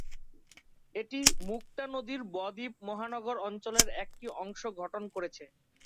এটি মুক্তা নদীর ব-দ্বীপ মহানগর অঞ্চলের একটি অংশ গঠন করেছে।